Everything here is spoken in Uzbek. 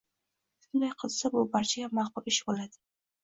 Shunday qilsa, bu barchaga ma’qul ish bo‘ladi.